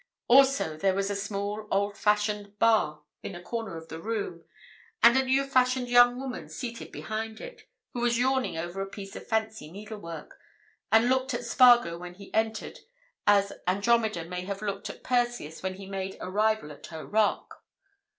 Also there was a small, old fashioned bar in a corner of the room, and a new fashioned young woman seated behind it, who was yawning over a piece of fancy needlework, and looked at Spargo when he entered as Andromeda may have looked at Perseus when he made arrival at her rock.